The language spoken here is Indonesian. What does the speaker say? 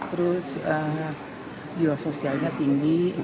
terus jiwa sosialnya tinggi